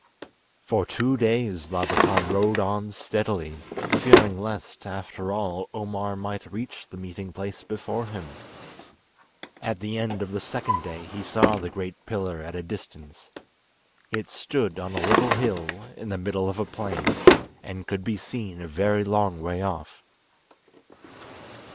For two days Labakan rode on steadily, fearing lest, after all, Omar might reach the meeting place before him. At the end of the second day he saw the great pillar at a distance. It stood on a little hill in the middle of a plain, and could be seen a very long way off.